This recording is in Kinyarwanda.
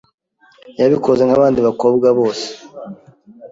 yabikoze nk’abandi bakobwa bose.